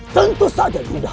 tentu saja lindah